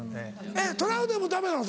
えっトラウデンもダメなの？